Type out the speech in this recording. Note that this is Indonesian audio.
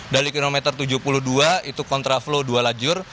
dari kilometer tujuh puluh dua itu kontraflow dua lajur